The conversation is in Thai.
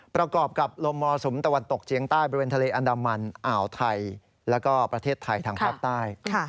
ประกอบกับลมมรสุมตะวันตกเฉียงใต้บริเวณทะเลอันดามันอ่าวไทยแล้วก็ประเทศไทยทางภาคใต้